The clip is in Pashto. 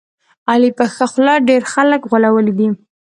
علي په ښه خوله ډېر خلک غولولي دي.